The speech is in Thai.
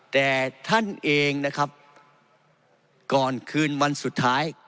แต่ท่านเองนะครับก่อนคืนวันสุดท้าย